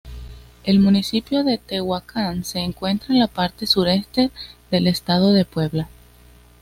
El municipio de Tehuacán se encuentra en la parte sureste del Estado de Puebla.